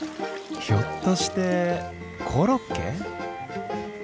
ひょっとしてコロッケ？